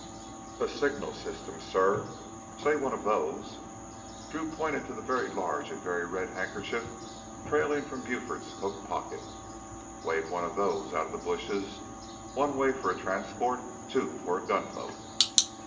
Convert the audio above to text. "A signal system, suh. Say one of those " Drew pointed to the very large and very red handkerchief trailing from Buford's coat pocket. "Wave one of those out of the bushes: one wave for a transport, two for a gunboat."